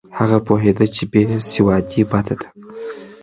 هغه پوهېده چې بې سوادي بده ده.